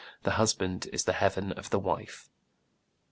" The husband is the heaven of the wife."